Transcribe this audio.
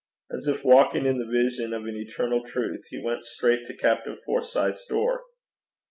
As if walking in the vision of an eternal truth, he went straight to Captain Forsyth's door.